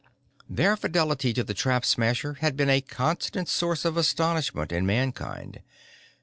Their fidelity to the Trap Smasher had been a constant source of astonishment in Mankind.